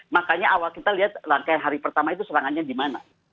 makanya awal kita lihat langkah hari pertama itu serangannya di mana